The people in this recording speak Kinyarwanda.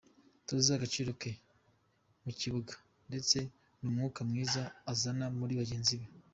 Tuzi agaciro ke mu kibuga ndetse n'umwuka mwiza azana muri bagenzi be".